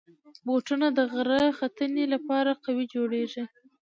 بوټونه د غره ختنې لپاره قوي جوړېږي.